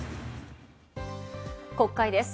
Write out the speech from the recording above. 国会です。